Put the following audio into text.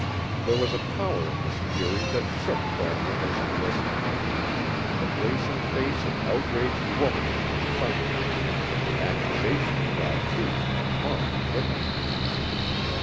There was a power in this fury that shook Thornly as he listened. The blazing face of outraged womanhood confronted him, and the accusation brought truth and torment with it.